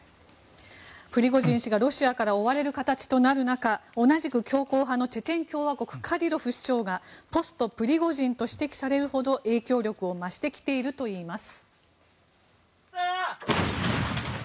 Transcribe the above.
プリゴジン氏がロシアから追われる形となる中同じく強硬派のチェチェン共和国カディロフ首長がポストプリゴジンと指摘されるほど影響力を増してきているといいます。